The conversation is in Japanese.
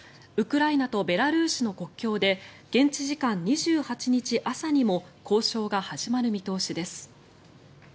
ウクライナとベラルーシの国境で現地時間２８日朝にも交渉が始まる見通しです。